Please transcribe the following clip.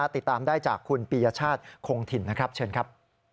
ติดตามได้จากคุณปียชาติคงถิ่นนะครับเชิญครับ